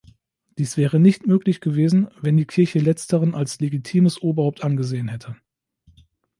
Dies wäre nicht möglich gewesen, wenn die Kirche letzteren als legitimes Oberhaupt angesehen hätte.